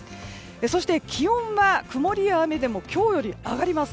そして気温が、曇りや雨でも今日より上がります。